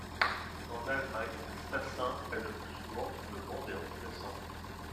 En Allemagne, Stassin est le plus souvent sur le banc des remplaçants.